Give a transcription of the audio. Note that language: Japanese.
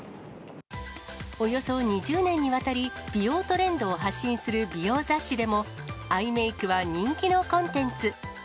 およそ２０年にわたり、美容トレンドを発信する美容雑誌でもアイメークは人気のコンテンツ。